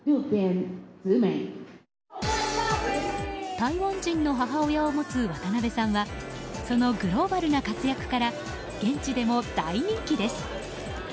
台湾人の母親を持つ渡辺さんはそのグローバルな活躍から現地でも大人気です。